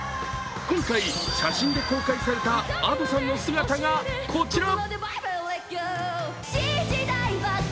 今回、写真で公開されたＡｄｏさんの姿がこちら。